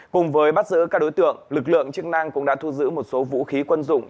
cùng với bắt giữ các đối tượng lực lượng chức năng cũng đã thu giữ một số vũ khí quân dụng